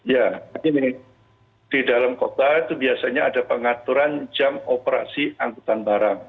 ya begini di dalam kota itu biasanya ada pengaturan jam operasi angkutan barang